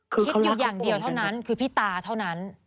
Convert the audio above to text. คิดอยู่อย่างเดียวเท่านั้นคือพี่ตาเท่านั้น